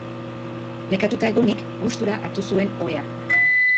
Nekatuta egonik, gustura hartu zuen ohea.